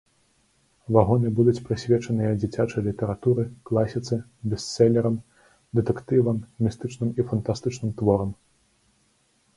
Вагоны будуць прысвечаныя дзіцячай літаратуры, класіцы, бестселерам, дэтэктывам, містычным і фантастычным творам.